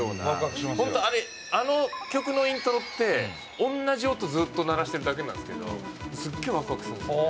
本当、あの曲のイントロって同じ音、ずっと鳴らしてるだけなんですけどすげえワクワクするんですよね。